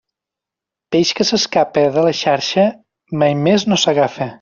Peix que s'escapa de la xarxa mai més no s'agafa.